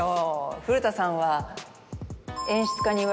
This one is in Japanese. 古田さんは。